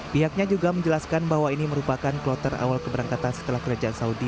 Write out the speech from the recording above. pihaknya juga menjelaskan bahwa ini merupakan kloter awal keberangkatan setelah kerajaan saudi